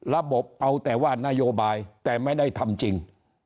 ระบบเอาแต่ว่านโยบายแต่ไม่ได้ทำจริง